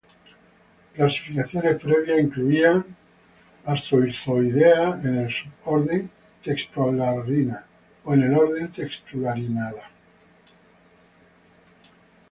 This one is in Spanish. Clasificaciones previas incluían Astrorhizoidea en el suborden Textulariina o en el orden Textulariida.